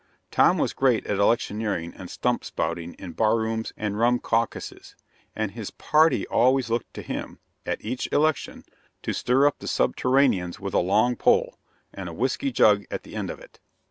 Tom was great at electioneering and stump spouting in bar rooms and rum caucuses, and his party always looked to him, at each election, to stir up the subterraneans "with a long pole" and a whiskey jug at the end of it.